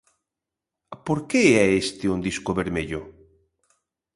Por que é este un disco vermello?